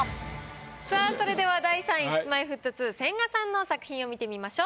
さぁそれでは第３位Ｋｉｓ−Ｍｙ−Ｆｔ２・千賀さんの作品を見てみましょう。